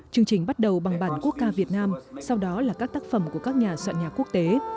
chương trình bắt đầu bằng bản quốc ca việt nam sau đó là các tác phẩm của các nhà soạn nhạc quốc tế